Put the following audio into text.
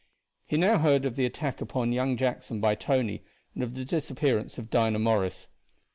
He now heard of the attack upon young Jackson by Tony, and of the disappearance of Dinah Morris.